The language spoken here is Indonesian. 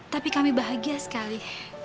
tapi kami bahagia sekali